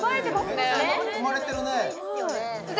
ねっ生まれてるね